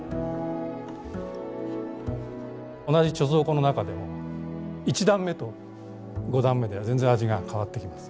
同じ貯蔵庫の中でも１段目と５段目では全然味が変わってきます。